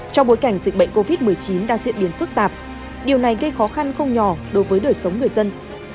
trong bối cảnh dịch bệnh covid một mươi chín đang diễn biến phức tạp điều này gây khó khăn không nhỏ đối với đời sống người dân